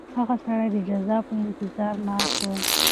هغه سړی د جزا په انتظار ناست و.